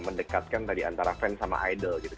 mendekatkan tadi antara fans sama idol gitu